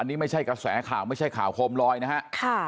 นี่ไม่ใช่กระแสข่าวไม่ใช่ข่าวโคมลอยนะฮะ